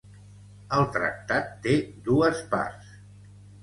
El tractat té dues parts.